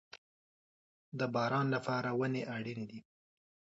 د باران لپاره ونې اړین دي